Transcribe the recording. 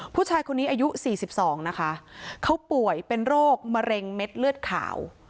ผู้ชายคนนี้อายุ๔๒นะคะเขาป่วยเป็นโรคมะเร็งเม็ดเลือดขาว